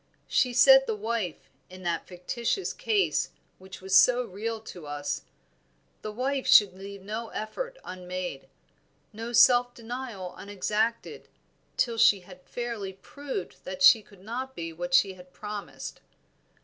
She said the wife, in that fictitious case which was so real to us, the wife should leave no effort unmade, no self denial unexacted, till she had fairly proved that she could not be what she had promised.